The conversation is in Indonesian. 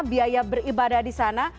biaya beribadah disana